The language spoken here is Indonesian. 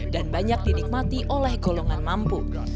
dan banyak dinikmati oleh golongan mampu